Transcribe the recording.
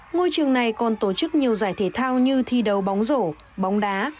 ngôi trường này còn tổ chức nhiều giải thể thao như thi đấu bóng rổ bóng đá